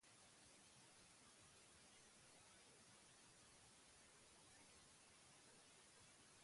Heresia-usaina ez ezik, halako heresia-kiratsa ere badario.